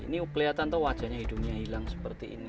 ini kelihatan tuh wajahnya hidungnya hilang seperti ini